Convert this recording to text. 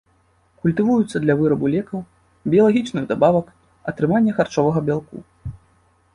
Культывуюцца для вырабу лекаў, біялагічных дабавак, атрымання харчовага бялку.